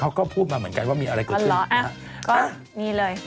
เขาก็พูดมาเหมือนกันว่ามีอะไรกดขึ้นนะฮะเขาเหรอนี่เลย